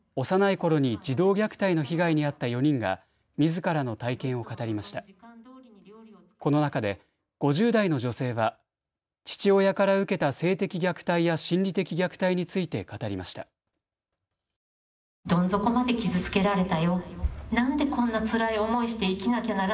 この中で５０代の女性は父親から受けた性的虐待や心理的虐待について語りました。